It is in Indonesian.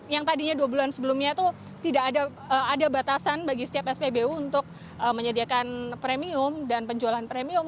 yang tadinya dua bulan sebelumnya itu tidak ada batasan bagi setiap spbu untuk menyediakan premium dan penjualan premium